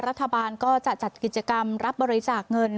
รัฐบาลก็จะจัดกิจกรรมรับบริจาคเงิน